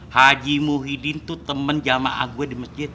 haji muhyiddin tuh temen jamaah gua di masjid